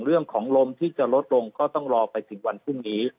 เรื่องของลมที่จะลดลงก็ต้องรอไปถึงวันพรุ่งนี้